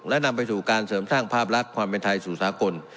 และนำไปสู่การเสริมสร้างภาพลักษณ์ความเป็นไทยสู่สากล